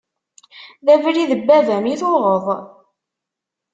D abrid n baba-m i tuɣeḍ.